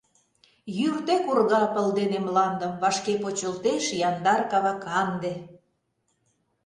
Йӱр тек урга пыл дене мландым, Вашке почылтеш яндар кава канде.